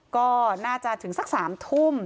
ก็น่าจะถึงสัก๓ทุ่ม